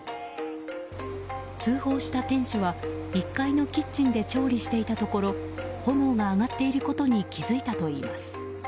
通報した店主は、１階のキッチンで調理していたところ炎が上がっていることに気付いたといいます。